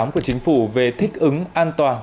một mươi tám của chính phủ về thích ứng an toàn